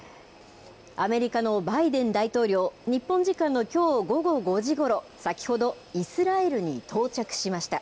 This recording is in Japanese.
アメリカのバイデン大統領、日本時間のきょう午後５時ごろ、先ほど、イスラエルに到着しました。